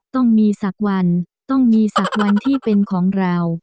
ต้องมีสักวันต้องมีสักวันที่เป็นของเรา